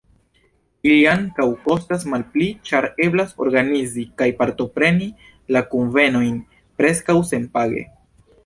Ili ankaŭ kostas malpli, ĉar eblas organizi kaj partopreni la kunvenojn preskaŭ senpage.